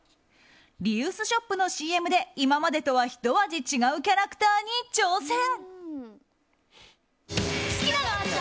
リユースショップのＣＭで今までとはひと味違うキャラクターに挑戦。